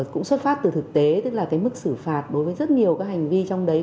cũng xuất phát từ thực tế tức là cái mức xử phạt đối với rất nhiều các hành vi trong đấy